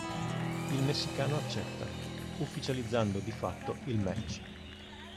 Il messicano accetta, ufficializzando di fatto il match.